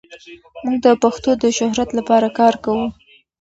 موږ د پښتو د شهرت لپاره کار کوو.